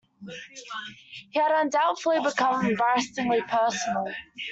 He had undoubtedly become embarrassingly personal.